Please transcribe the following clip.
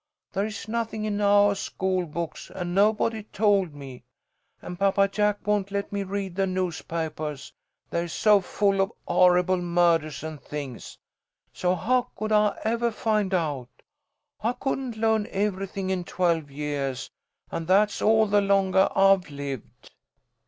There is nothing in ou' school books, and nobody told me, and Papa Jack won't let me read the newspapahs, they're so full of horrible murdahs and things. So how could I evah find out? I couldn't learn everything in twelve yeahs, and that's all the longah I've lived."